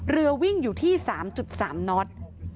เรือวิ่งอยู่ที่๓๓น็อต